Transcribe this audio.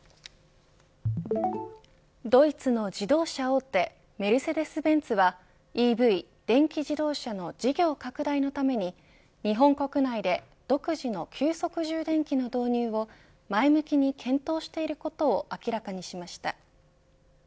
ドイツの自動車大手メルセデス・ベンツはＥＶ＝電気自動車の事業拡大のために日本国内で独自の急速充電器の導入を前向きに検討していることを明らかにしました。